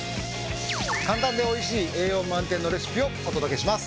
簡単で美味しい栄養満点のレシピをお届けします。